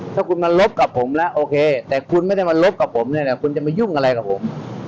ถ้าคุณมาลบกับผมแล้วโอเคแต่คุณไม่ได้มาลบกับผมเนี่ยนะคุณจะมายุ่งอะไรกับผม